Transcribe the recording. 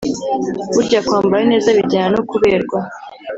Burya kwambara neza bijyana no kuberwa